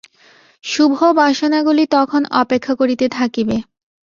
শুভ বাসনাগুলি তখন অপেক্ষা করিতে থাকিবে।